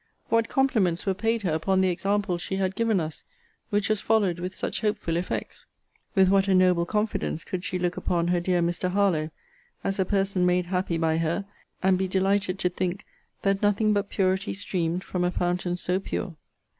What compliments were paid her upon the example she had given us, which was followed with such hopeful effects! With what a noble confidence could she look upon her dear Mr. Harlowe, as a person made happy by her; and be delighted to think that nothing but purity streamed from a fountain so pure!